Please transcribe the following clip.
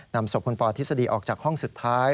นำศพคุณปอทฤษฎีออกจากห้องสุดท้าย